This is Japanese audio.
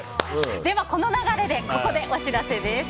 では、この流れでここでお知らせです。